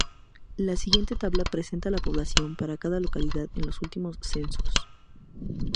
La siguiente tabla presenta la población para cada localidad en los últimos censos.